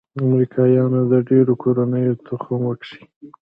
امریکايانو د ډېرو کورنيو تخم وکيښ.